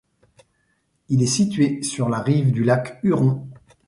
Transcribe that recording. Il est situé sur la rive du lac Huron.